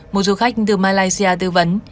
một du khách từ malaysia tư vấn